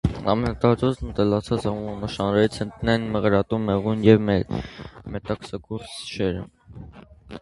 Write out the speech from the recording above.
Ամենատարածված ընտելացված անողնաշարավորներից են տնային մեղրատու մեղուն և մետաքսագործ շերամը։